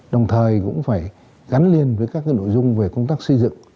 đồng thời cũng phải gắn liền với các nội dung về công tác xây dựng